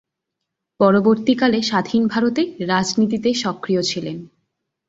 পরবর্তীকালে স্বাধীন ভারতে রাজনীতিতে সক্রিয় ছিলেন।